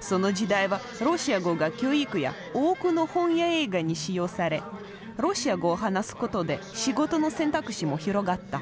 その時代はロシア語が教育や多くの本や映画に使用されロシア語を話すことで仕事の選択肢も広がった。